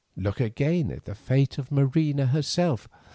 Look again at the fate of Marina herself.